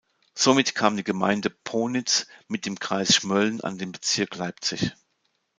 Somit kam die Gemeinde Ponitz mit dem Kreis Schmölln an den Bezirk Leipzig.